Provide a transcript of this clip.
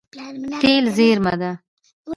تېل زیرمه ده.